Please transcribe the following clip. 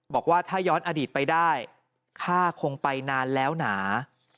บอกว่าถ้าย้อนอดีตไปได้ข้าคงไปนานแล้วหนา